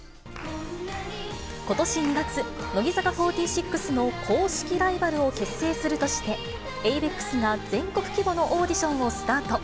ことし２月、乃木坂４６の公式ライバルを結成するとして、エイベックスが全国規模のオーディションをスタート。